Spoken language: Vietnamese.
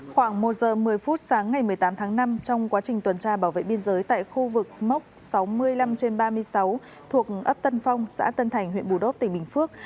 khoảng một giờ một mươi phút sáng ngày một mươi tám tháng năm trong quá trình tuần tra bảo vệ biên giới tại khu vực mốc sáu mươi năm trên ba mươi sáu thuộc ấp tân phong xã tân thành huyện bù đốc tỉnh bình phước